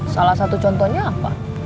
salah satu contohnya apa